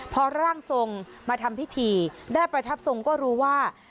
พอร่างทรงมาทำพิธีได้ประทับทรงก็รู้ว่า